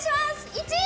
１位！